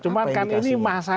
apa yang dikasih